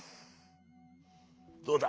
どうだ？